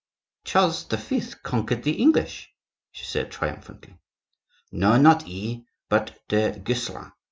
"Charles V. conquered the English," she cried triumphantly. "No, not he, but du Guesclin.